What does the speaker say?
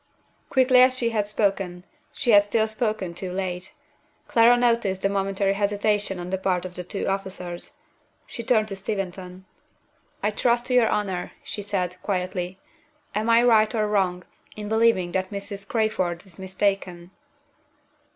Quickly as she had spoken, she had still spoken too late. Clara had noticed the momentary hesitation on the part of the two officers. She turned to Steventon. "I trust to your honor," she said, quietly. "Am I right, or wrong, in believing that Mrs. Crayford is mistaken?"